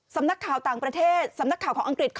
สำนักข่าวต่างประเทศสำนักข่าวของอังกฤษ